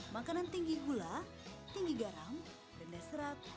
makanan tinggi gula tinggi garam rendah serat